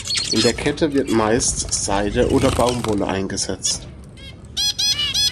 In der Kette wird meist Seide oder Baumwolle eingesetzt.